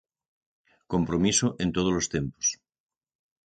Compromiso en todos os tempos.